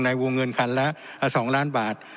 ในวงเงินคันละ๒ล้านบาท